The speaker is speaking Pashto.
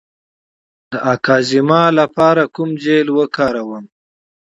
د اکزیما لپاره کوم جیل وکاروم؟